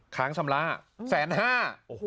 ค้างชำระแสนห้า